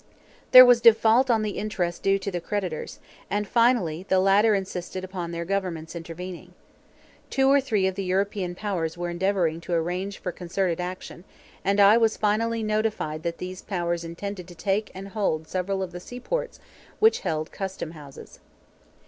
There was default on the interest due to the creditors; and finally the latter insisted upon their governments intervening. Two or three of the European powers were endeavoring to arrange for concerted action, and I was finally notified that these powers intended to take and hold several of the seaports which held custom houses.